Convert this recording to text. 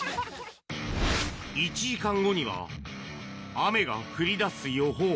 １時間後には、雨が降りだす予報。